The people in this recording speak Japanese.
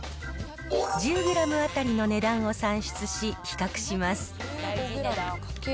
１０グラム当たりの値段を算出し、比較します。